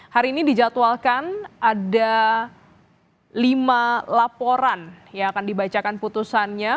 hari ini dijadwalkan ada lima laporan yang akan dibacakan putusannya